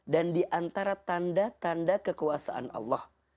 dan di antara tanda tanda kekuasaan allah